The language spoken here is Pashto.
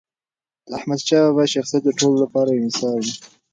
د احمدشاه بابا شخصیت د ټولو لپاره یو مثال دی.